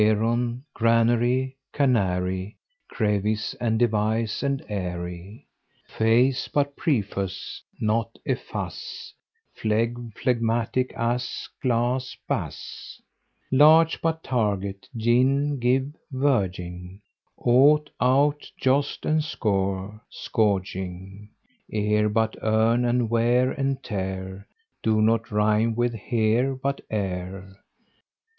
Heron; granary, canary; Crevice, and device, and eyrie; Face but preface, but efface, Phlegm, phlegmatic; ass, glass, bass; Large, but target, gin, give, verging; Ought, out, joust and scour, but scourging; Ear, but earn; and wear and tear Do not rime with "here", but "ere".